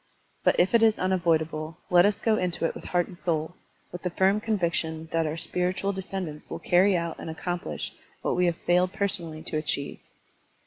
But if it is unavoidable, let us go into it with heart and soul, with the firm conviction that our spiritual descendants will carry out and accomplish what we have failed personally to achieve.